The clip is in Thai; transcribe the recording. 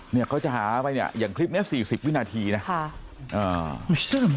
เนี่ยเขาจะหาไปเนี่ยอย่างคลิปเนี้ยสี่สิบวินาทีนะค่ะอ่า